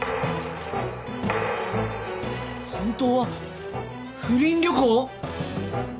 本当は不倫旅行！？